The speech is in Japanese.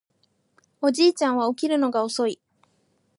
おじいちゃんは起きるのが遅い